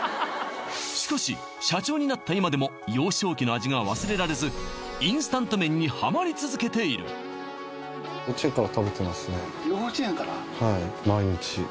しかし社長になった今でも幼少期の味が忘れられずインスタント麺にハマり続けている幼稚園から？